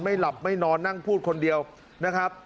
หลับไม่นอนนั่งพูดคนเดียวนะครับ